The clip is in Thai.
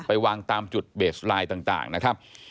ไปวางตามจุดเบสไลน์ต่างนะครับ